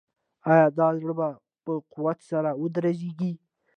آیا دا زړه به په قوت سره ودرزیږي؟